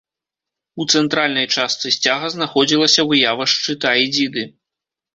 У цэнтральнай частцы сцяга знаходзілася выява шчыта і дзіды.